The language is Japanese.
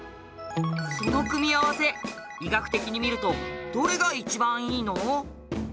その組み合わせ医学的に見るとどれが一番いいの？